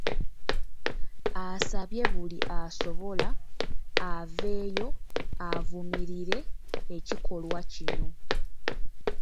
Asabye buli asobola aveeyo avumirire ekikolwa kino.